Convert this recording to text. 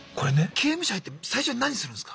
刑務所入って最初に何するんすか？